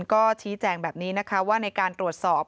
ก็ชี้แจงแบบนี้นะคะว่าในการตรวจสอบ